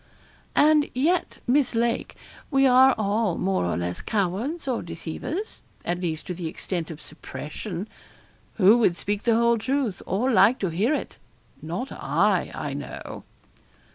'And yet, Miss Lake, we are all more or less cowards or deceivers at least, to the extent of suppression. Who would speak the whole truth, or like to hear it? not I, I know.'